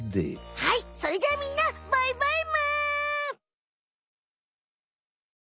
はいそれじゃあみんなバイバイむ！